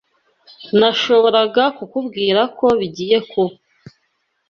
Nashoboraga kukubwira ko bigiye kuba.